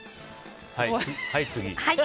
はい次。